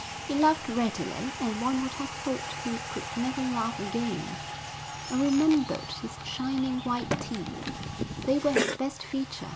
He laughed readily, and one would have thought he could never laugh again. I remembered his shining, white teeth; they were his best feature.